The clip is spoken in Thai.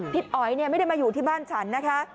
ทิดอ๋อยเนี่ยไม่ได้มาอยู่ที่บ้านฉันนะคะ